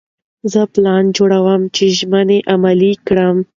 زه پلان جوړوم چې ژمنې عملي کړم.